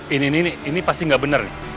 ini ini ini pasti gak bener nih